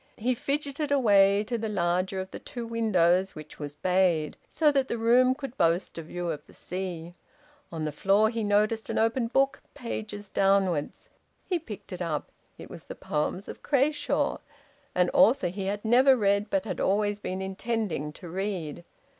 He fidgeted away to the larger of the two windows, which was bayed, so that the room could boast a view of the sea. On the floor he noticed an open book, pages downwards. He picked it up. It was the poems of Crashaw, an author he had never read but had always been intending to read.